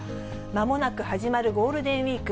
まもなく始まるゴールデンウィーク。